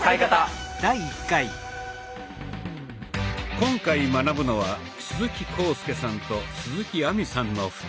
今回学ぶのは鈴木浩介さんと鈴木亜美さんの２人。